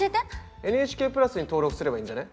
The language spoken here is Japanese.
ＮＨＫプラスに登録すればいいんじゃね？